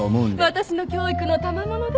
私の教育のたまものです。